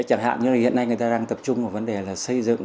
chẳng hạn như là hiện nay người ta đang tập trung vào vấn đề là xây dựng